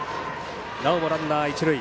なおもランナー、一塁。